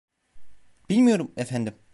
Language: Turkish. Bilmiyorum, efendim.